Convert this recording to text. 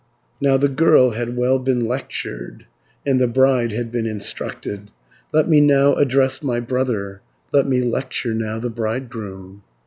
Now the girl had well been lectured, And the bride had been instructed; Let me now address my brother, Let me lecture now the bridegroom.